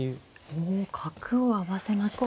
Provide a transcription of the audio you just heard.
お角を合わせました。